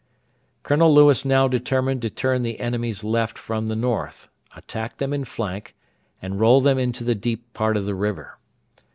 Colonel Lewis now determined to turn the enemy's left from the north, attack them in flank, and roll them into the deep part of the river.